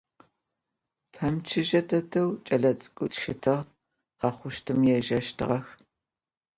Pemıçıje dedexeu ç'elets'ık'uit'u şıtığ, khexhuştım yêjjeştığex.